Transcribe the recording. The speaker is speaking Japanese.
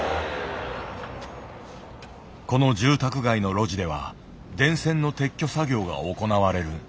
この住宅街の路地では電線の撤去作業が行われる。